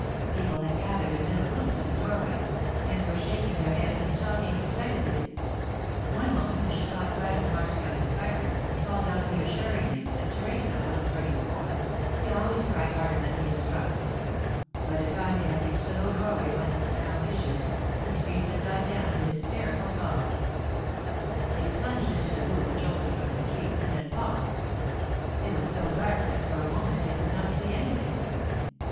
People had gathered in little groups in the doorways, and were shaking their heads and talking excitedly. One woman, as she caught sight of Marcia and Sybert, called out reassuringly that Teresa wasn't hurting the boy; he always cried harder than he was struck. By the time they had reached the low doorway whence the sounds issued, the screams had died down to hysterical sobs. They plunged into the room which opened from the street, and then paused. It was so dark that for a moment they could not see anything.